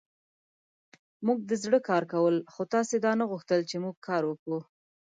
موژدزړه کارکول خوتاسی دانه خوښول چی موژکاروکوو